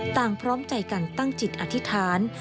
พร้อมใจกันตั้งจิตอธิษฐาน